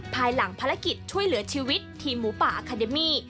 ภายหลังภารกิจช่วยเหลือชีวิตทีมหมูป่าอาคาเดมี่